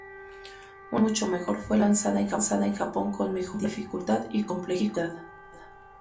Una versión mucho mejor fue lanzada en Japón con mejoras en dificultad y complejidad.